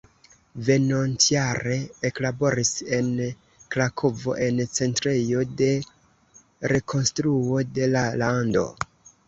Venontjare eklaboris en Krakovo en Centrejo de Rekonstruo de la Lando.